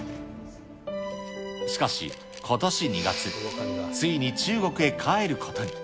しかし、ことし２月、ついに中国へ帰ることに。